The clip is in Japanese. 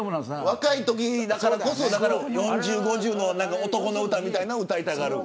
若いときだからこそ４０、５０の男の歌みたいなのを歌いたがる。